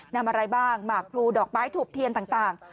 นำอะไรบ้างหมากพลูดอกป้ายถูปเทียนต่าง